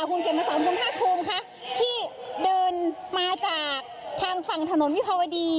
ภูเขียนมาสอนค่ะที่เดินมาจากทางฝั่งถนนวิภาวดี